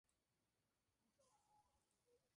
Se espera que pueda cumplir con la labor de cerrador.